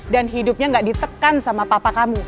dan hidupnya gak ditekan sama papa kamu